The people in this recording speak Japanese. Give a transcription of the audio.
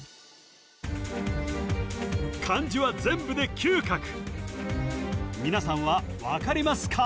漢字は全部で９画皆さんは分かりますか？